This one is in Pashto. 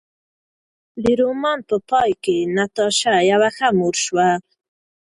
د رومان په پای کې ناتاشا یوه ښه مور شوه.